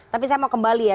tapi saya mau kembali ya